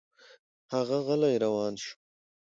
هغه غلی روان شو.